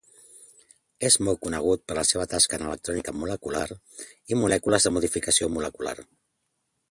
És molt conegut per la seva tasca en electrònica molecular i molècules de modificació molecular.